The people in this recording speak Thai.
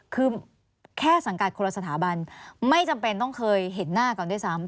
คือแค่สังกัดคนละสถาบันไม่จำเป็นต้องเคยเห็นหน้ากันด้วยซ้ำ